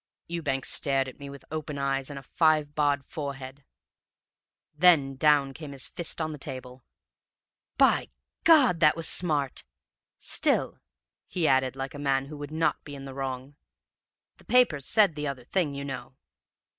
"Ewbank stared at me with open eyes and a five barred forehead, then down came his fist on the table. "'By God! That was smart! Still,' he added, like a man who would not be in the wrong, 'the papers said the other thing, you know!'